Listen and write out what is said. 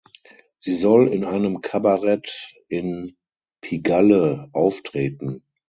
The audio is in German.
Sie soll in einem Kabarett in „Pigalle“ auftreten.